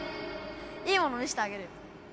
いいもの見せてあげる。